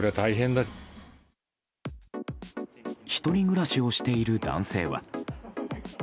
１人暮らしをしている男性は。